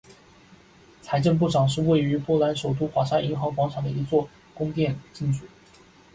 财政部长宫是位于波兰首都华沙银行广场的一座宫殿建筑。